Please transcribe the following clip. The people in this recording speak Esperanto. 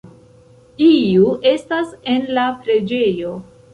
Iu estas en la preĝejo.